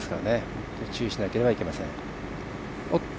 本当に注意しなければいけません。